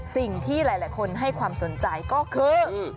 สิ่งที่หลายคนให้ความสนใจก็คือ